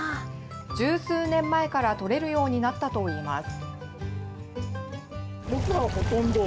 十数年前から取れるようになったといいます。